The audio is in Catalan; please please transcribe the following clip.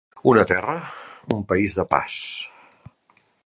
Una terra, un país de pas.